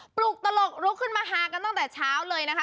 ปลุกตลกลุกขึ้นมาฮากันตั้งแต่เช้าเลยนะคะ